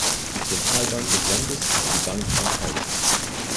Die Zentralbank des Landes ist die Bank von Thailand.